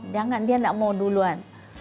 jangan dia tidak mau duluan